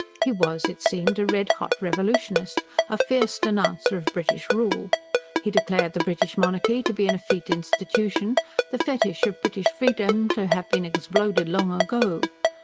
He was, it seemed, a red hot revolutionist; a fierce denouncer of British rule. He declared the British monarchy to be an effete institution; the fetish of British freedom to have been "exbloded" long ago.